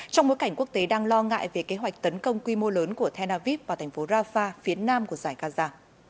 trong mối cảnh quốc tế đang lo ngại về kế hoạch tấn công quy mô lớn của tenaviv vào thành phố rafah phía nam của giải gaza